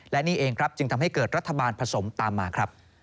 และนี่เองครับจึงทำให้เกิดรัฐบาลผสมตามมาครับ